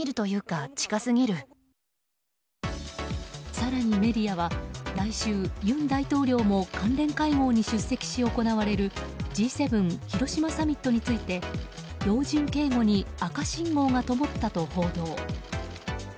更にメディアは、来週尹大統領も関連会合に出席し行われるＧ７広島サミットについて要人警護に赤信号がともったと報道。